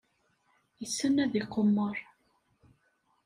Yessen ad iqemmer.